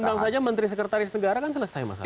undang saja menteri sekretaris negara kan selesai masalahnya